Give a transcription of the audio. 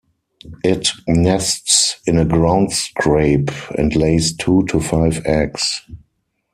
It nests in a ground scrape and lays two to five eggs.